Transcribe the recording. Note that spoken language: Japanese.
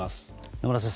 野村先生